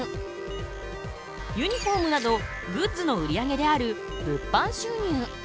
ユニフォームなどグッズの売り上げである物販収入。